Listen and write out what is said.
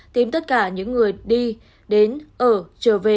tìm tất cả những người đi đến ở trở về